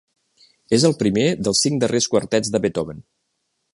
És el primer dels cinc darrers quartets de Beethoven.